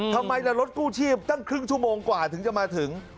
ทำไมล่ะรถกู้ชีพตั้งครึ่งชั่วโมงกว่าถึงจะมาถึง